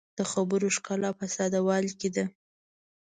د خبرو ښکلا په ساده والي کې ده